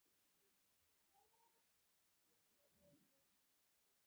مړ کړه.